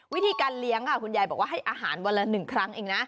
วิธีการเลี้ยงคุณยายบอกว่าให้อาหารวันละ๑ครั้งเองนะ